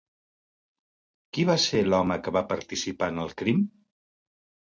Qui va ser l'home que va participar en el crim?